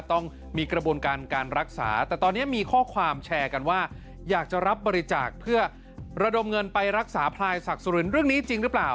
ต้องมีกระบวนการการรักษาแต่ตอนนี้มีข้อความแชร์กันว่าอยากจะรับบริจาคเพื่อระดมเงินไปรักษาพลายศักดิ์สุรินทร์เรื่องนี้จริงหรือเปล่า